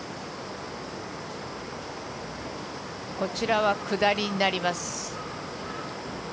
こちらは下りになります。